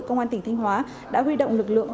công an tỉnh thanh hóa đã huy động lực lượng